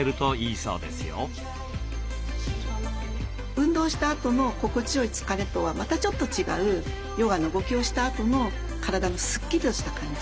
運動したあとの心地よい疲れとはまたちょっと違うヨガの動きをしたあとの体のスッキリとした感じ。